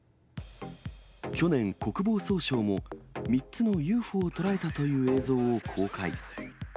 去年、国防総省も３つのＵＦＯを捉えたという映像を公開。